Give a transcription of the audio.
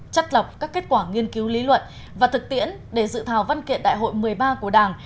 chất lọc các kết quả nghiên cứu lý luận và thực tiễn để dự thảo văn kiện đại hội một mươi ba của đảng